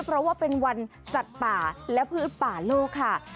เพราะว่าเป็นวันสัตว์ป่าและพืชป่าโลกค่ะ